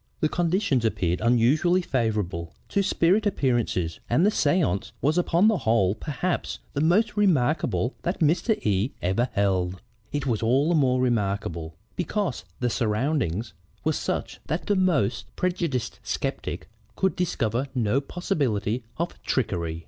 "The conditions appeared unusually favorable to spirit appearances and the séance was upon the whole perhaps the most remarkable that Mr. E ever held. It was all the more remarkable because the surroundings were such that the most prejudiced skeptic could discover no possibility of trickery.